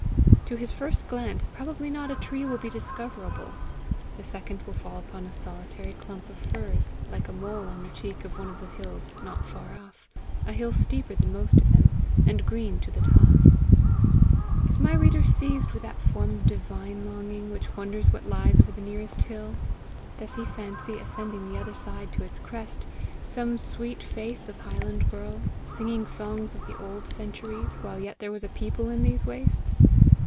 To his first glance probably not a tree will be discoverable; the second will fall upon a solitary clump of firs, like a mole on the cheek of one of the hills not far off, a hill steeper than most of them, and green to the top. Is my reader seized with that form of divine longing which wonders what lies over the nearest hill? Does he fancy, ascending the other side to its crest, some sweet face of highland girl, singing songs of the old centuries while yet there was a people in these wastes?